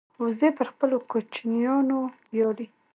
وزې پر خپلو کوچنیانو ویاړي